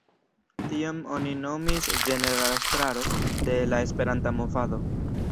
Tion oni nomis "Ĝenerala Estraro de la Esperanto-Movado".